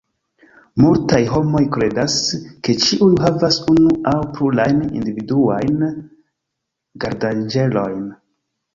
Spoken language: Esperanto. Multaj homoj kredas, ke ĉiuj havas unu aŭ plurajn individuajn gardanĝelojn.